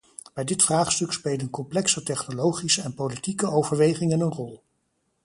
Bij dit vraagstuk spelen complexe technologische en politieke overwegingen een rol.